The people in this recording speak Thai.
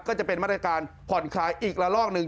ก็จะเป็นมาตรการผ่อนคลายอีกละลอกหนึ่ง